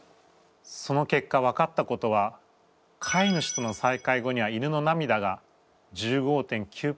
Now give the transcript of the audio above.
その結果分かったことは飼い主との再会後には犬の涙が１５．９％ふえたということです。